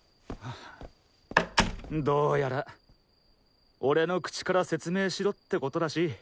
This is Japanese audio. どうやら俺の口から説明しろってことらしい。